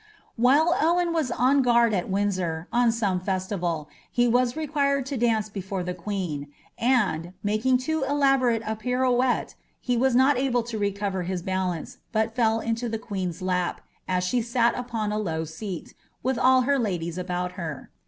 H^ While Owen was on guard ai Windsor, on some festival, he was re Bj^njred to dance' before the queen ; and, making too elaborate a piroi^ eiW} he was not able to recover his balance, but fell into the queen'a lap, aa she sat upon a low seaU' with all her ladies about her.